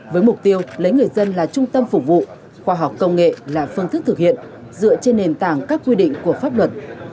với mục tiêu lấy người dân là trung tâm phục vụ khoa học công nghệ là phương thức thực hiện dựa trên nền tảng các quy định của pháp luật